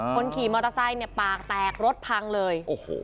คนขี่มอเตอร์ไซค์เนี่ยปากแตกรถพังเลย